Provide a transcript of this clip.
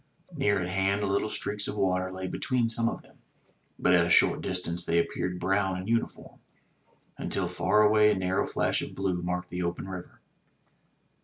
Near at hand little streaks of water lay between some of them, but at a short distance they appeared brown and uniform, until far away a narrow flash of blue marked the open river.